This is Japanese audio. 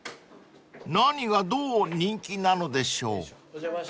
［何がどう人気なのでしょう］